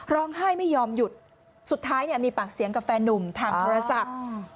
ร้องไห้ไม่ยอมหยุดสุดท้ายเนี่ยมีปากเสียงกับแฟนนุ่มทางโทรศัพท์